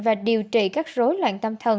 và điều trị các rối loạn tâm thần